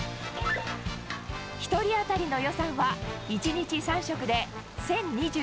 １人当たりの予算は１日３食で１０２１円。